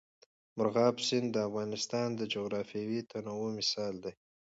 مورغاب سیند د افغانستان د جغرافیوي تنوع مثال دی.